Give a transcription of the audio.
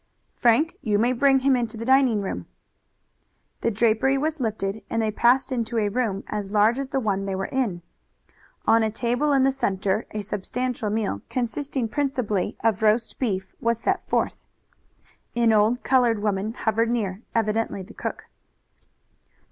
"Frank, you may bring him into the dining room." The drapery was lifted and they passed into a room as large as the one they were in. On a table in the center a substantial meal, consisting principally of roast beef, was set forth. An old colored woman hovered near, evidently the cook.